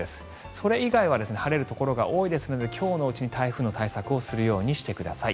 それ以外は晴れるところが多いですので今日のうちに台風の対策をするようにしてください。